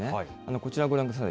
こちらご覧ください。